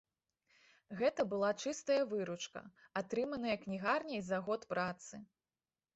Гэта была чыстая выручка, атрыманая кнігарняй за год працы.